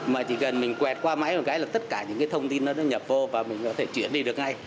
mà chỉ cần mình quẹt qua máy một cái là tất cả những cái thông tin nó nhập vô và mình có thể chuyển đi được ngay